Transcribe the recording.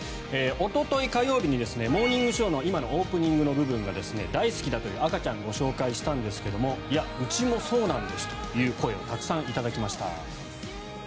おととい火曜日に「モーニングショー」の今のオープニングの部分が大好きだという赤ちゃんを紹介したんですがいや、うちもそうなんですという声をたくさん頂きました。